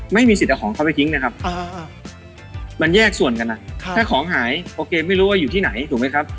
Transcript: ไม่มีสิทธิ์เอาของเขาไปทิ้งนะครับมันแยกส่วนกันถ้าของหายโอเคไม่รู้ว่าอยู่ที่ไหนถูกไหมครับ